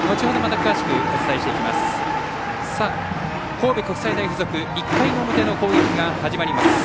神戸国際大付属、１回の表の攻撃始まります。